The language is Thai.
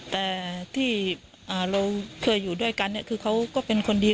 แต่ที่เราเคยอยู่ด้วยกันคือเขาก็เป็นคนดี